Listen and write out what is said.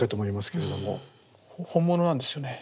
本物なんですよね？